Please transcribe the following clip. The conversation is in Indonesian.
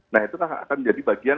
nah itu akan menjadi bagian